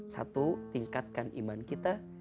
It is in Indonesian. satu tingkatkan iman kita